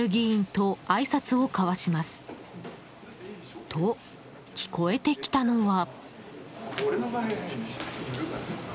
と、聞こえてきたのは。